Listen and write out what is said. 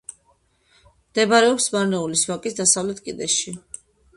მდებარეობს მარნეულის ვაკის დასავლეთ კიდეში.